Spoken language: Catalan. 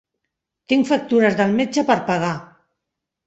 Tinc factures del metge per pagar.